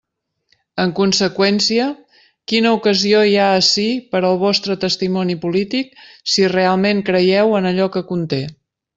En conseqüència, ¿quina ocasió hi ha ací per al vostre testimoni polític si realment creieu en allò que conté?